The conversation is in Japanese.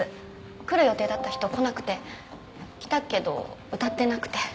来る予定だった人来なくて来たけど歌ってなくて。